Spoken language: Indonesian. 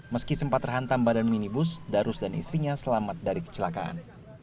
meski sempat terhantam badan minibus darus dan istrinya selamat dari kecelakaan